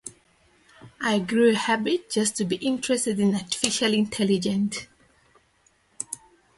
Nayanar lived in Chennai for twenty years and settled in Kochi.